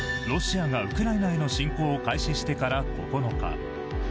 ロシアがウクライナへの侵攻を開始してから９日。